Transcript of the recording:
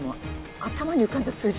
頭に浮かんだ数字。